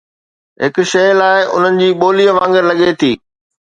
هڪ شيء لاء، انهن جي ٻولي وانگر لڳي ٿي.